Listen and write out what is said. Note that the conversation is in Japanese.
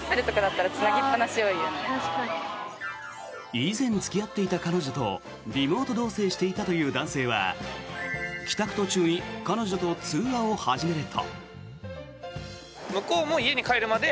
以前付き合っていた彼女とリモート同棲していたという男性は帰宅途中に彼女と通話を始めると。